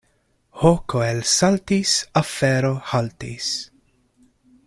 Hoko elsaltis, afero haltis.